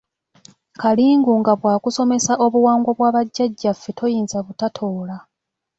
Kalingu nga bw’akusomesa obuwangwa bwa bajjajjaffe toyinza butatoola.